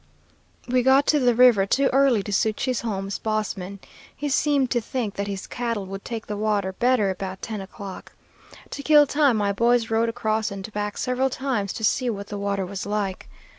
"We got to the river too early to suit Chisholm's boss man. He seemed to think that his cattle would take the water better about ten o'clock. To kill time my boys rode across and back several times to see what the water was like.